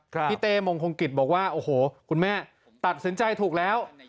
พี่เต้งงคงกิจบอกว่าโอ้โหคุณแม่ตัดสินใจถูกแล้ว